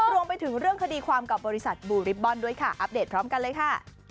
รวมไปถึงเรื่องคดีความกับบริษัทบูริบบอลด้วยค่ะอัปเดตพร้อมกันเลยค่ะ